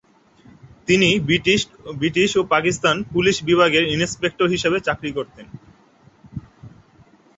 তিনি ব্রিটিশ ও পাকিস্তান পুলিশ বিভাগের ইন্সপেক্টর হিসাবে চাকুরি করতেন।